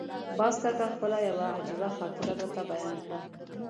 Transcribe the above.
باز کاکا خپله یوه عجیبه خاطره راته بیان کړه.